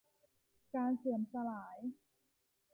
การเสื่อมสลาย